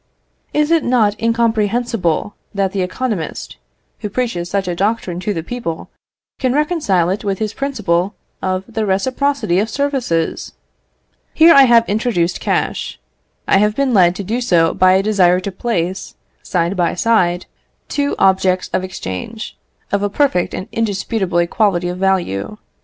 Is it not incomprehensible that the economist, who preaches such a doctrine to the people, can reconcile it with his principle of the reciprocity of services? Here I have introduced cash; I have been led to do so by a desire to place, side by side, two objects of exchange, of a perfect and indisputable equality of value.